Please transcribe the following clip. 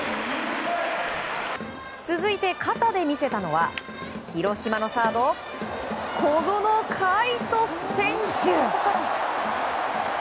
続いて肩で見せたのは広島のサード、小園海斗選手。